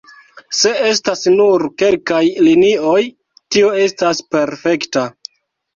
Se estas nur kelkaj linioj, tio estas perfekta.